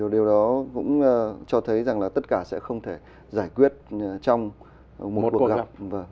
điều đó cũng cho thấy rằng là tất cả sẽ không thể giải quyết trong một cuộc gặp